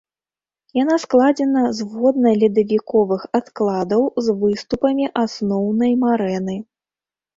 Яна складзена з водна-ледавіковых адкладаў з выступамі асноўнай марэны.